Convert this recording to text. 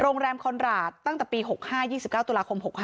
โรงแรมคอนราชตั้งแต่ปี๖๕๒๙ตุลาคม๖๕